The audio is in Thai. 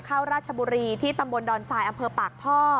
เข้าราชบุรีที่ตำบลดอนไซด์อำเภอปากท่อ